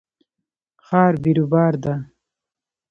ښار بیروبار ده